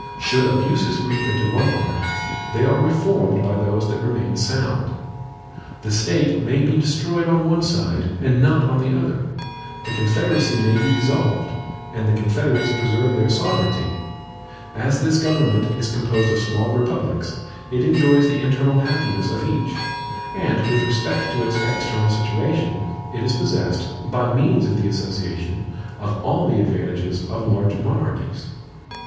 Should abuses creep into one part, they are reformed by those that remain sound. The state may be destroyed on one side, and not on the other; the confederacy may be dissolved, and the confederates preserve their sovereignty." "As this government is composed of small republics, it enjoys the internal happiness of each; and with respect to its external situation, it is possessed, by means of the association, of all the advantages of large monarchies."